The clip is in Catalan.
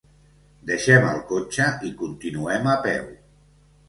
Deixem el cotxe i continuem a peu.